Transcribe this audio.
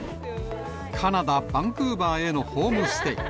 カナダ・バンクーバーへのホームステイ。